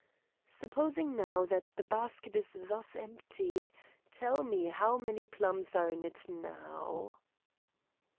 Supposing now that the basket is thus emptied, tell me how many plums are in it now."